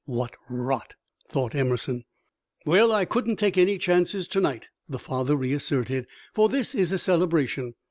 "What rot!" thought Emerson. "Well, I couldn't take any chances to night," the father reasserted, "for this is a celebration.